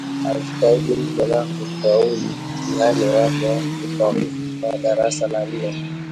Alijitahidi mno na kufaulu mtihani wake wa kitaifa wa darasa la nane